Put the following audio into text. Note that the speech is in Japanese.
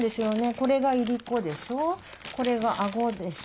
これがいりこでしょ。